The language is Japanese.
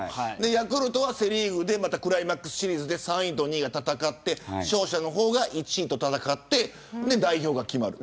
ヤクルトはセ・リーグでクライマックスシリーズで３位と２位が戦って勝者が１位と戦って代表が決まる。